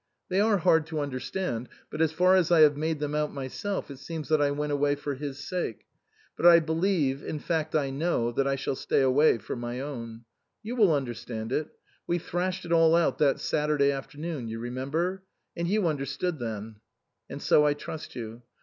They are hard to under stand, but as far as I have made them out myself, it seems that I went away for his sake ; but I believe, in fact I know, that I shall stay away for my own. You will understand it ; we thrashed it all out that Saturday afternoon you remember? and you understood then. And so I trust you.